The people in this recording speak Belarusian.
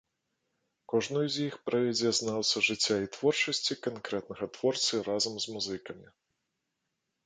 Кожную з іх правядзе знаўца жыцця і творчасці канкрэтнага творцы разам з музыкамі.